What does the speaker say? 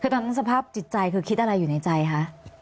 คือตอนนั้นสภาพจิตใจคือคิดอะไรอยู่ในใจคะ